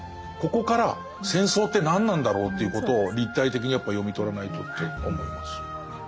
ここから戦争って何なんだろうということを立体的にやっぱ読み取らないとって思います。